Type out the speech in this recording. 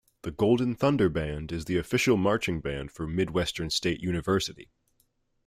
The Golden Thunder Band is the official marching band for Midwestern State University.